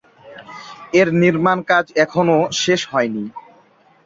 এর নির্মাণ কাজ এখনো শেষ হয়নি।